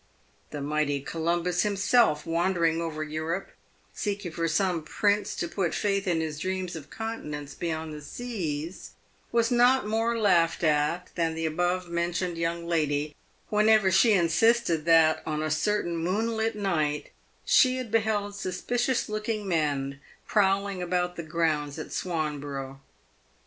The mighty Columbus himself, wandering over Europe seeking for some prince to put faith in his dreams of continents be yond the seas, was not more laughed at than the above mentioned young lady, whenever she insisted that on a certain moonlight night she had beheld suspicious looking men prowling about the grounds at Swanborough.